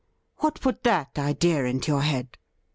' What put that idea into your head